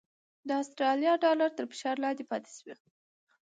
د اسټرالیا ډالر تر فشار لاندې پاتې شو؛